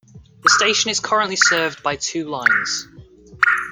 The station is currently served by two lines.